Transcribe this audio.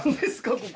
ここ。